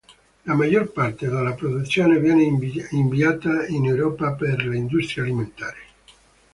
La maggior parte della produzione viene inviata in Europa per l'industria alimentare.